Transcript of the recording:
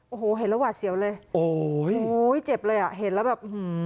โอ้โหเห็นแล้วหวาดเสียวเลยโอ้โหโอ้ยเจ็บเลยอ่ะเห็นแล้วแบบอื้อหือ